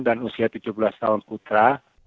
dan usia tujuh belas tahun putra